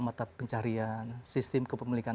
mata pencarian sistem kepemilikan